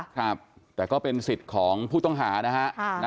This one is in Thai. ครับแต่ก็เป็นสิทธิ์ของผู้ต้องหานะฮะ